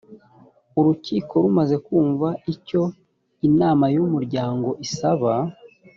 urukiko rumaze kumva icyo inama y’umuryango isaba